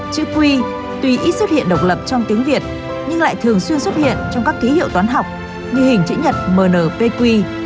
chứ quy tuy ít xuất hiện độc lập trong tiếng việt nhưng lại thường xuyên xuất hiện trong các ký hiệu toán học như hình chữ nhật mpq